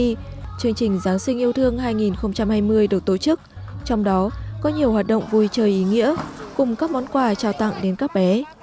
trong khi chương trình giáng sinh yêu thương hai nghìn hai mươi được tổ chức trong đó có nhiều hoạt động vui chơi ý nghĩa cùng các món quà trao tặng đến các bé